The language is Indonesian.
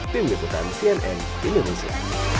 tim liputan cnn indonesia